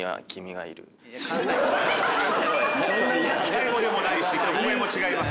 最後でもないし曲名も違います。